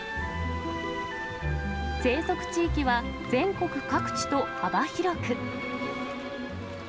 生息地域は、全国各地と幅広く。